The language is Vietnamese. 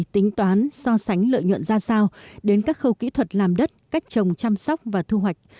tính toán so sánh lợi nhuận ra sao đến các khâu kỹ thuật làm đất cách trồng chăm sóc và thu hoạch